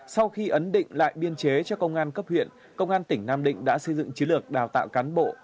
sau khi ấn định lại biên chế cho công an cấp huyện công an tỉnh nam định đã xây dựng chiến lược đào tạo cán bộ